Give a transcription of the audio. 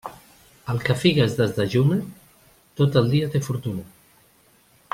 El que figues desdejuna, tot el dia té fortuna.